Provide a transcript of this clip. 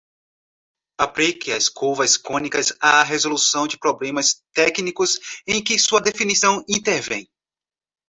Aplique as curvas cônicas à resolução de problemas técnicos em que sua definição intervém.